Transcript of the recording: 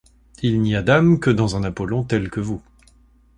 Il n’y a d’âme que dans un Apollon tel que vous.